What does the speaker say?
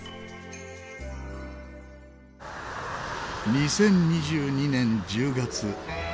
２０２２年１０月。